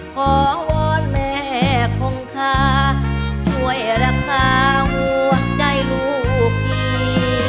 ขอว้อนแม่ของข้าช่วยรักษาหัวใจลูกที